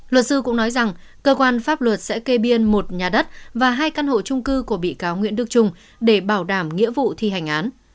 luật sư cũng nói rằng cơ quan pháp luật sẽ kê biên một nhà đất và hai căn hộ trung cư của bị cáo nguyễn đức trung để bảo đảm nghĩa vụ thi hành án